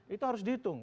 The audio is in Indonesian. itu harus dihitung